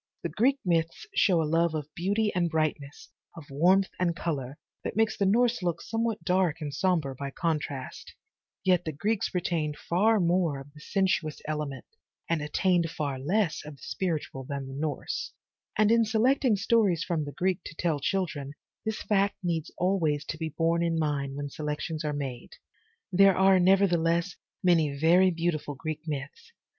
The Greek myths show a love of beauty and brightness, of warmth and color, that makes the Norse look somewhat dark and somber by contrast, yet the Greeks retained far more of the sensuous element and attained far less of the spiritual than the Norse, and in selecting stories from the Greek to tell to children, this fact needs always to be borne in mind when selections are made. There are, nevertheless, many very beautiful Greek myths.